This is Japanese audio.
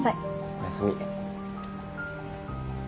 おやすみ。